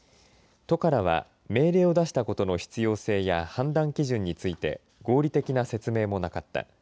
都からは命令を出したことの必要性や判断基準について合理的な説明もなかった。